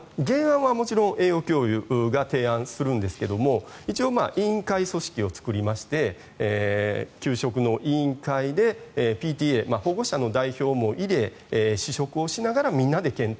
原案はもちろん栄養教諭が提案するんですが委員会組織を作りまして給食の委員会でＰＴＡ、保護者の代表も入れ試食をしながらみんなで検討。